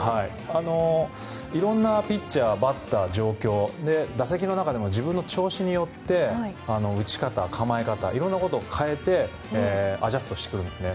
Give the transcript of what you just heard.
いろんなピッチャーバッター、状況打席の中でも自分の調子によって打ち方、構え方いろんなことを変えてアジャストしてくるんですね。